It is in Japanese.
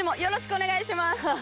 お願いします！